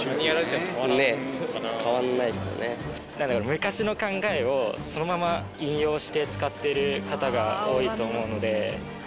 昔の考えをそのまま引用して使ってる方が多いと思うので。